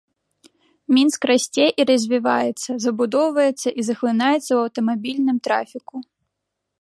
Мінск расце і развіваецца, забудоўваецца і захлынаецца ў аўтамабільным трафіку.